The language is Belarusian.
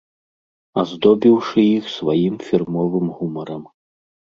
Аздобіўшы іх сваім фірмовым гумарам.